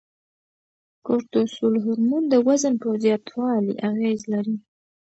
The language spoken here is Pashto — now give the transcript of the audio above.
کورتسول هورمون د وزن په زیاتوالي اغیز لري.